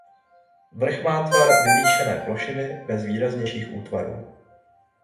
Vrch má tvar vyvýšené plošiny bez výraznějších útvarů.